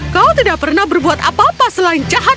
kau tidak pernah berbuat apa apa selain jahat